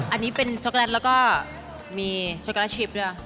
อันนี้เป็นช็อกโกแลตแล้วก็มีช็อกโกแลตชิปด้วย